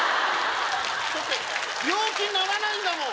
だって病気にならないんだもん。